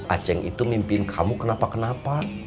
aceng itu mimpiin kamu kenapa kenapa